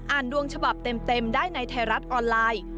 ดวงฉบับเต็มได้ในไทยรัฐออนไลน์